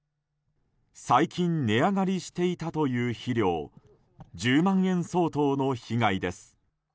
最近値上がりしていたという肥料１０万円相当の被害です。